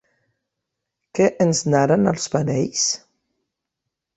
Què ens narren els panells?